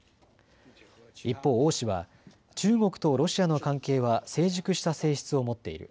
一方、王氏は中国とロシアの関係は成熟した性質を持っている。